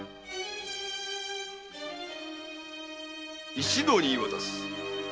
一同に言い渡す。